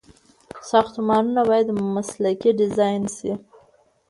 ساختمانونه باید مسلکي ډيزاين شي.